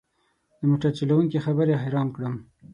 د موټر چلوونکي خبرې حيران کړم.